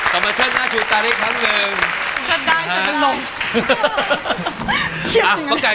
ขอบคุณทุกคุณครับ